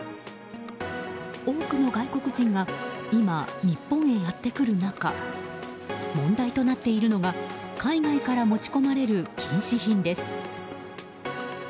多くの外国人が今日本へやってくる中問題となっているのが海外から持ち込まれる禁止品です。